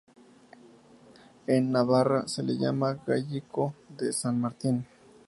En Navarra se le llama gallico de San Martín.